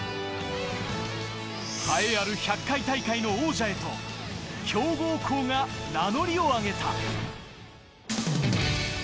栄えある１００回大会の王者へと強豪校が名乗りを上げた。